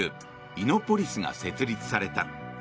イノポリスが設立された。